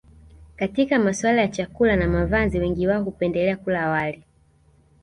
Katika masuala ya chakula na mavazi wengi wao hupendelea kula wali